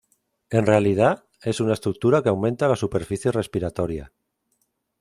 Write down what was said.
En realidad, es una estructura que aumenta la superficie respiratoria.